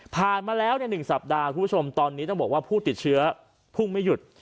มาแล้ว๑สัปดาห์คุณผู้ชมตอนนี้ต้องบอกว่าผู้ติดเชื้อพุ่งไม่หยุด